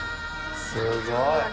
すごい。